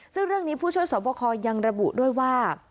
ซึ่งเรื่องนี้ผู้ช่วยสอบคอยังระบุด้วยว่า